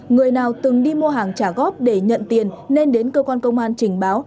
người nào từng đi mua hàng trả góp để nhận tiền nên đến cơ quan công an trình báo